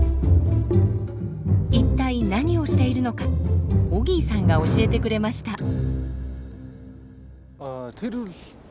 一体何をしているのかオギーさんが教えてくれました。